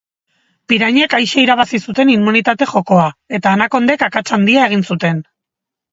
Pirañek aise irabazi zuten immunitate jokoa, eta anakondek akats handia egin zuten.